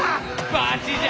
バチじゃ！